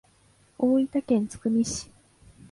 大分県津久見市